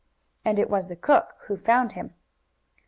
And it was the cook who found him.